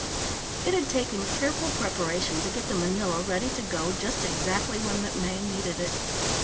It had taken careful preparation to get the Manila ready to go just exactly when MacMaine needed it.